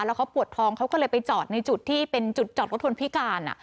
แล้วเขาปวดท้องเขาก็เลยไปจอดในจุดที่เป็นจุดจอดรถคนพิการ